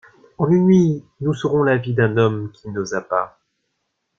En une nuit, nous saurons la vie d'un homme qui n'osa pas.